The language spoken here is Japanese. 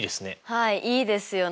はいいいですよね。